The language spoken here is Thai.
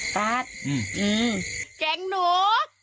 แกงหนู